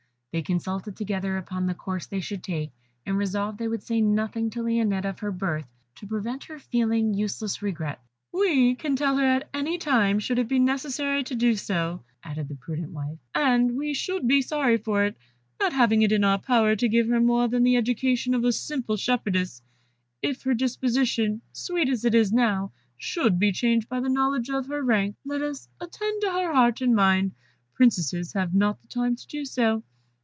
They consulted together upon the course they should take, and resolved they would say nothing to Lionette of her birth, to prevent her feeling useless regrets. "We can tell her at any time, should it be necessary to do so," added the prudent wife; "and we should be sorry for it (not having it in our power to give her more than the education of a simple shepherdess) if her disposition, sweet as it is now, should be changed by the knowledge of her rank. Let us attend to her heart and mind: princesses have not the time to do so.